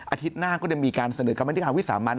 อาทิตย์หน้าก็จะมีการเสนอกรรมนิการวิสามัน